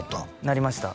なりました